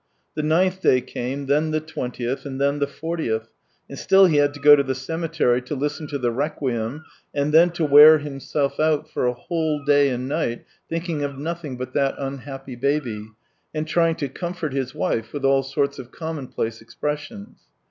The ninth day came, then the twentieth, and then the fortieth, and still he had to go to the cemetery to" listen to the requiem, and then to wear himself out for a whole day and night think ing of nothing but that unhappy baby, and trying to comfort his wife with all sorts of commonplace expressions.